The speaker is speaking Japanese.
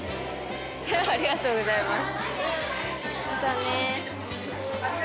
ありがとうございます。